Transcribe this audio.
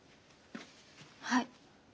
はい。